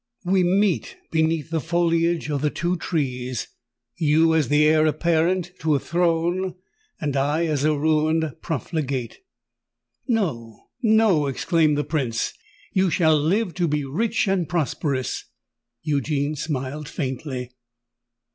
We meet beneath the foliage of the two trees—you as the heir apparent to a throne—I as a ruined profligate!" "No—no!" exclaimed the Prince; "you shall live to be rich and prosperous——" Eugene smiled faintly.